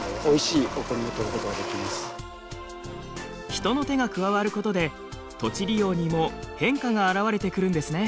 人の手が加わることで土地利用にも変化が表れてくるんですね。